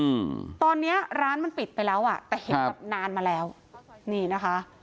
อืมตอนเนี้ยร้านมันปิดไปแล้วอ่ะแต่เห็นแบบนานมาแล้วนี่นะคะ